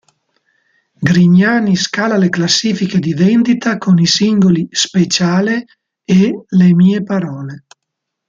Grignani scala le classifiche di vendita con i singoli "Speciale" e "Le mie parole".